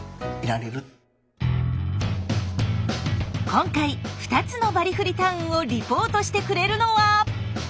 今回２つのバリフリ・タウンをリポートしてくれるのは。